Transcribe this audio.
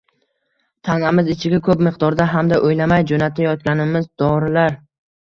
Tanamiz ichiga ko‘p miqdorda hamda o‘ylamay jo‘natayotganimiz dorilar